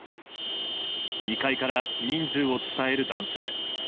２階から人数を伝える男性。